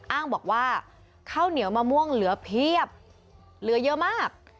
อ้างบอกว่าข้าวเหนียวมะม่วงเหลือเพียบเหลือเยอะมาก